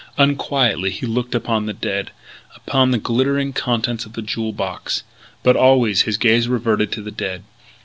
Unquietly he looked upon the dead upon the glittering contents of the jewel box, but always his gaze reverted to the dead.